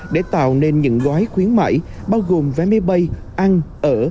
để tạo nên những gói khuyến mại bao gồm vé máy bay ăn ở